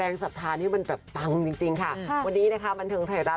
ศรัทธาที่มันแบบปังจริงจริงค่ะวันนี้นะคะบันเทิงไทยรัฐ